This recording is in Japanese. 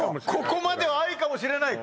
ここまでは愛かもしれない